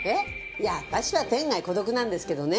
いや私は天涯孤独なんですけどね。